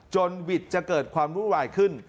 วิทย์จะเกิดความวุ่นวายขึ้น